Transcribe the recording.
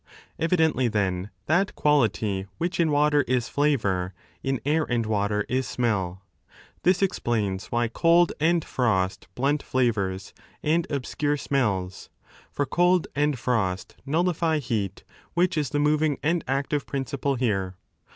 Evidently, then, that quality which in water is flavour, in air and water is smell. This explains why cold and frost blunt flavours n and obscure smells. For cold and frost nullify heat, which is the moving and active principle here.